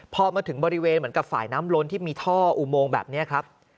พอมาถึงบริเวณเหมือนกับฝ่ายน้ำล้นที่มีท่ออุโมงแบบนี้ครับ